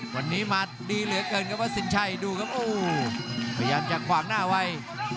วันนี้มาดีเหลือเกินครับว่าสินชัยดูครับโอ้โหพยายามจะขวางหน้าไว้